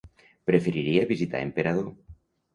Preferiria visitar Emperador.